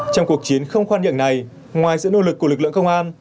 trong cuộc chiến không khoan nhượng này ngoài sự nỗ lực của lực lượng công an